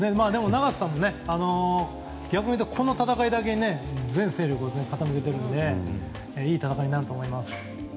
永瀬さんもこの戦いだけに全精力を傾けているのでいい戦いになると思います。